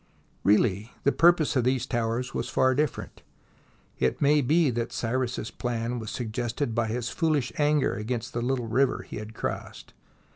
Really the purpose of these towers was far different. It may be that Cyrus's plan was suggested by his foolish anger against the little river he had crossed.